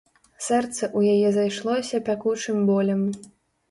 Сэрца ў яе зайшлося пякучым болем.